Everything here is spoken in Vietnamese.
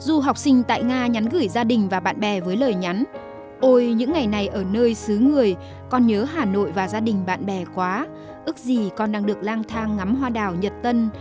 ước gì con đang được lang thang ngắm hoa đảo nhật tân